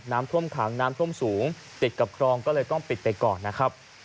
น้ำท่วมขังน้ำท่วมสูงติดกับคลองก็เลยต้องปิดไปก่อนนะครับ